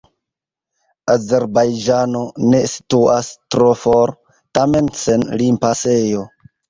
Azerbajĝano ne situas tro for, tamen sen limpasejo.